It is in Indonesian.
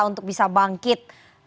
untuk bisa bangkit